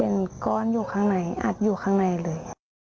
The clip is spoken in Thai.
เป็นกรอดอยู่ข้างในอาจอยู่ข้างในเลย